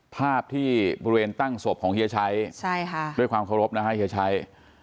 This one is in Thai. ภาพที่บริเวณตั้งศพของเฮียชัยด้วยความเคารพนะฮะเฮียชัย